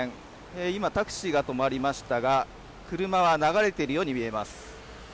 今、タクシーが止まりましたが車は流れているように見えます。